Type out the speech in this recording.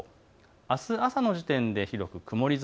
あす朝の時点で広く曇り空。